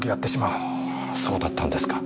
ああそうだったんですか。